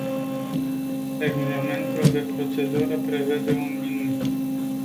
Regulamentul de procedură prevede un minut.